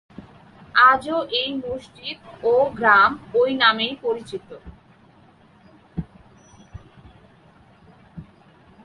আজও এই মসজিদ ও গ্রাম ওই নামেই পরিচিত।